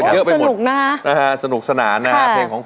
ฮะสนุกสนานนะครับ